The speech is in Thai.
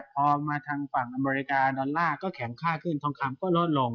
พอมาทางฝั่งอเมริกาดอลลาร์ก็แข็งค่าขึ้นทองคำก็ลดลง